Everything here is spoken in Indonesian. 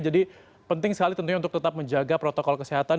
jadi penting sekali tentunya untuk tetap menjaga protokol kesehatan